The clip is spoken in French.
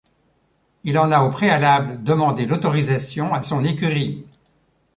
Il en a au préalable demandé l'autorisation à son écurie.